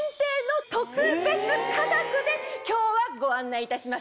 で今日はご案内いたしますよ。